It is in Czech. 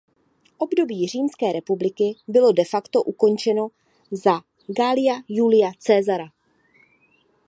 Období římské republiky bylo de facto ukončeno za Gaia Julia Caesara.